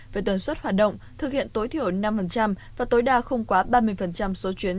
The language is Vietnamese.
về tần suất hoạt động thực hiện tối thiểu năm và tối đa không quá ba mươi số chuyến